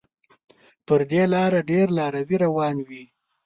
پر دې لاره ډېر لاروي روان وي.